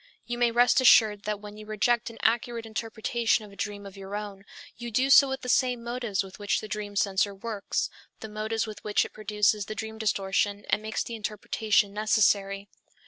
You may rest assured that when you reject an accurate interpretation of a dream of your own, you do so with the same motives with which the dream censor works, the motives with which it produces the dream distortion and makes the interpretation necessary.